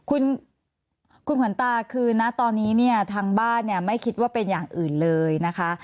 คุณคุณขวัญตาคือนะตอนนี้เนี่ยทางบ้านเนี่ยไม่คิดว่าเป็นอย่างอื่นเลยนะคะ